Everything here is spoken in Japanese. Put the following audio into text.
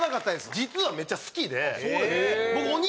実はめっちゃ好きで。